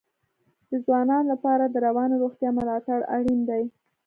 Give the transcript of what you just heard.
د ځوانانو لپاره د رواني روغتیا ملاتړ اړین دی.